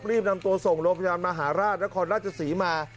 รีบนำตัวส่งโรงพยาบาลมหาราชนครราชศรีมา